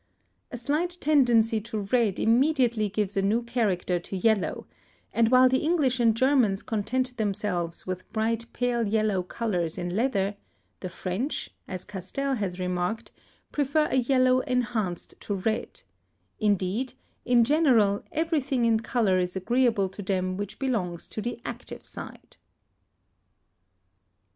A slight tendency to red immediately gives a new character to yellow, and while the English and Germans content themselves with bright pale yellow colours in leather, the French, as Castel has remarked, prefer a yellow enhanced to red; indeed, in general, everything in colour is agreeable to them which belongs to the active side.